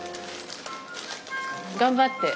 頑張って。